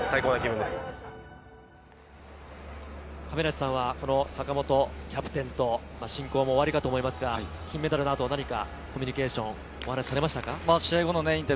亀梨さんは、この坂本キャプテンと親交もあると思いますが、金メダルの後、何かコミュニケーション、お話しましたか？